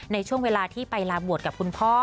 ในช่วงเวลาที่ไปลาบวชกับคุณพ่อ